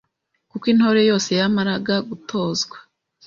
kuko Intore yose yamaraga gutozwa